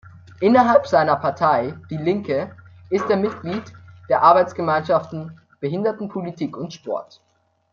Innerhalb seiner Partei Die Linke ist er Mitglied der Arbeitsgemeinschaften Behindertenpolitik und Sport.